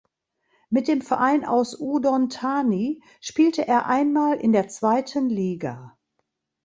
Mit dem Verein aus Udon Thani spielte er einmal in der zweiten Liga.